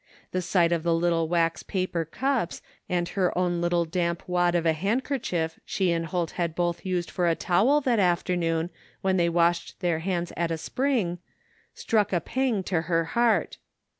The sight of the little wax paper cups and her own little damp wad of a handkerchief she and Holt had both used for a towel that afternoon when they washed their hands at a spring, struck a pang to her heart.